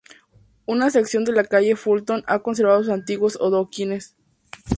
Una sección de la Calle Fulton ha conservado sus antiguos adoquines.